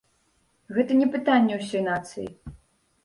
Гэта не пытанне ўсёй нацыі.